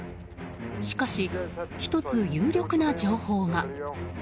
しかし、１つ有力な情報が。